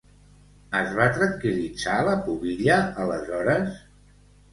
Es va tranquil·litzar la pubilla, aleshores?